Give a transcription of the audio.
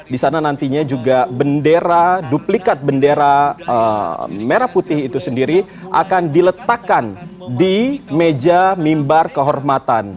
di sana nantinya juga bendera duplikat bendera merah putih itu sendiri akan diletakkan di meja mimbar kehormatan